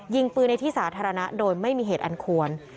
ยิงปืนในที่สาธารณะโดยไม่มีเหตุอันควร